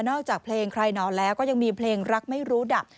จากเพลงใครนอนแล้วก็ยังมีเพลงรักไม่รู้ดับ